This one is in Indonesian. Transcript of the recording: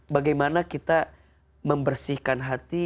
bagaimana kita membersihkan hati